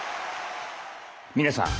皆さん